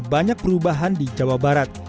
banyak perubahan di jawa barat